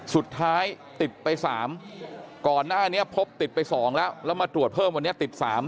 สุดท้ายติดไป๓ก่อนหน้านี้พบติดไป๒แล้วแล้วมาตรวจเพิ่มวันนี้ติด๓